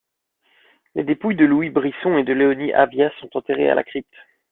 Les dépouilles de Louis Brisson et de Léonie Aviat sont enterrées à la crypte.